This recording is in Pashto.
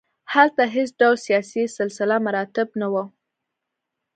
هلته هېڅ ډول سیاسي سلسله مراتب نه وو.